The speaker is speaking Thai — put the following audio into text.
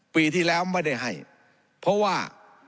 ปีที่แล้วไม่ได้ให้เพราะว่า